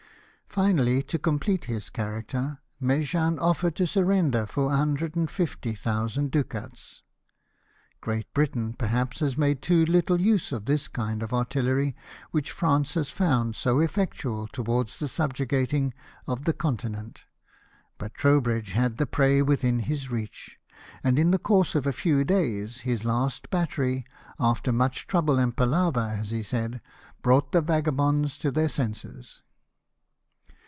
Finally, to complete his character, Mejan ottered to surrender for 150,000 ducats. Great Britain, perhaps, has made too little use of this kind of artillery which France has found so effectual towards subjugating the Continent, but Trowbridge had the prey within his reach ; and' in the course of a few days his last battery, '' after much trouble and palaver," as he said, " brought the vagabonds to their senses."